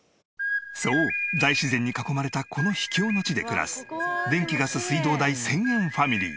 そう大自然に囲まれたこの秘境の地で暮らす電気ガス水道代１０００円ファミリー。